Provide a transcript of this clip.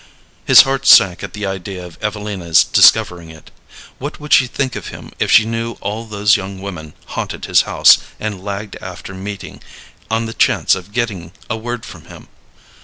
His heart sank at the idea of Evelina's discovering it. What would she think of him if she knew all those young women haunted his house and lagged after meeting on the chance of getting a word from him?